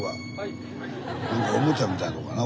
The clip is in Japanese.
何かおもちゃみたいなとこやな